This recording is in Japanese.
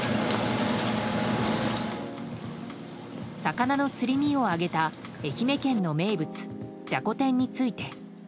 魚のすり身を揚げた愛媛県の名物じゃこ天について。